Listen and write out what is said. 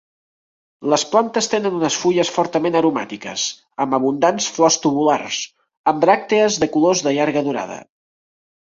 Les plantes tenen unes fulles fortament aromàtiques, amb abundants flors tubulars, amb bràctees de colors de llarga durada.